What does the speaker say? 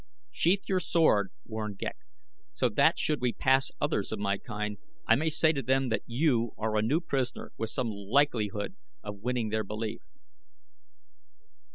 "Sheathe your sword," warned Ghek, "so that should we pass others of my kind I may say to them that you are a new prisoner with some likelihood of winning their belief."